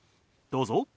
どうぞ。